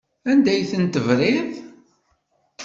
Anda ay tent-tebriḍ?